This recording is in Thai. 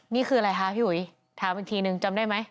นี่คืออะไรคะพี่อุ๋ยถามอีกทีนึงจำได้ไหม